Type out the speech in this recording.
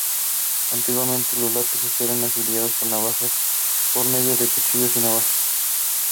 He is also one of the syndicate members of Sylhet Agricultural University.